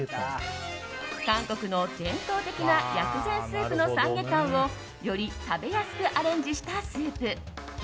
韓国の伝統的な薬膳スープのサンゲタンをより食べやすくアレンジしたスープ。